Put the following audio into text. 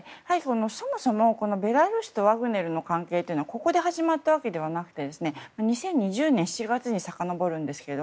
そもそもベラルーシとワグネルの関係というのはここで始まったわけではなくて２０２０年７月にさかのぼるんですが。